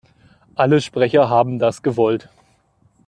Alle Sprecher haben das gewollt.